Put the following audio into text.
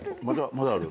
まだある？